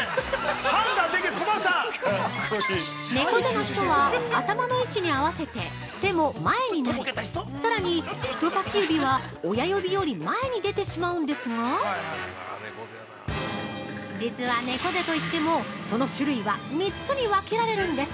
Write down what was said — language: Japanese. ◆猫背の人は頭の位置に合わせて手も前になりさらに、人差し指は親指より前に出てしまうんですが実は猫背といっても、その種類は３つに分けられるんです。